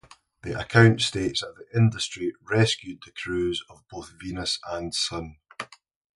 The account states that "Industry" rescued the crews of both "Venus" and "Sun".